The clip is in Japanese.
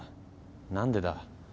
何でだ？